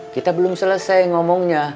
kita belum selesai ngomongnya